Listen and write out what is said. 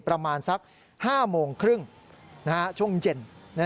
ประมาณสัก๕โมงครึ่งช่วงเย็น